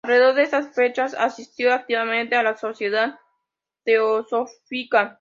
Alrededor de estas fechas asistió activamente a la Sociedad Teosófica.